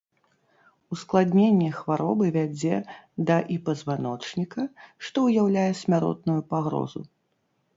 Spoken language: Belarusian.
Ускладненне хваробы вядзе да і пазваночніка, што ўяўляе смяротную пагрозу.